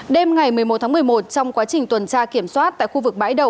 đêm ngày một mươi một tháng một mươi một trong quá trình tuần tra kiểm soát tại khu vực bãi đầu